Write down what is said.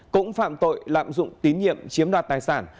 cũng phạm tội lạm dụng tín nhiệm chiếm đoạt tài sản